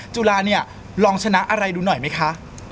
จุฬาเนี่ยลองชนะอะไรดูหน่อยไหมคะ